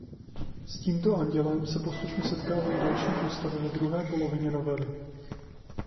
S tímto andělem se postupně setkávají další postavy v druhé polovině novely.